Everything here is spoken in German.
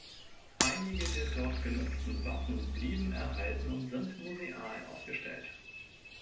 Einige der dort genutzten Waffen blieben erhalten und sind museal ausgestellt.